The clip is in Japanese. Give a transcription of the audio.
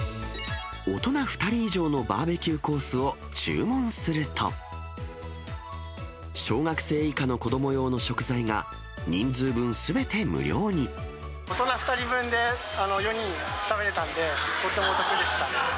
大人２人以上のバーベキューコースを注文すると、小学生以下の子ども用の食材が、大人２人分で４人食べれたんで、とてもお得でした。